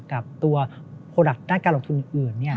กับตัวโปรดักต์ด้านการลงทุนอื่น